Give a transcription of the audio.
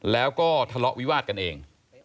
แล้วก็ทะเลาะวิวาดกันเอง